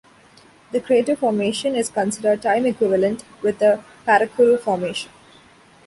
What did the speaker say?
The Crato Formation is considered time equivalent with the Paracuru Formation.